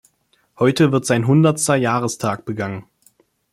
Heute wird sein hundertster Jahrestag begangen.